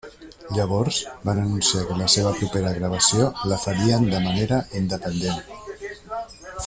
Llavors van anunciar que la seva propera gravació la farien de manera independent.